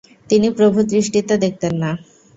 তিনি প্রভুর দৃষ্টিতে দেখতেন না।